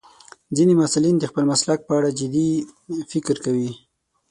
ځینې محصلین د خپل مسلک په اړه جدي فکر کوي.